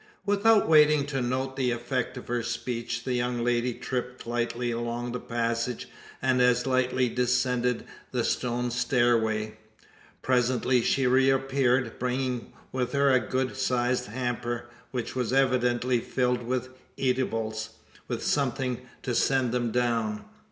Without waiting to note the effect of her speech, the young lady tripped lightly along the passage, and as lightly descended the stone stairway. Presently she reappeared bringing with her a good sized hamper; which was evidently filled with eatables, with something to send them down.